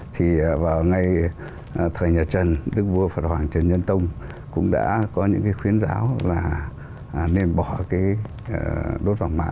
thì vào ngay thời nhật trần đức vua phật hoàng trần nhân tông cũng đã có những khuyến giáo là nên bỏ đốt vàng mã